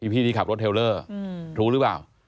พี่ที่ขับรถเทลเลอร์รู้หรือเปล่า